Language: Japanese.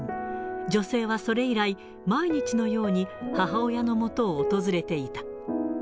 女性はそれ以来、毎日のように母親のもとを訪れていた。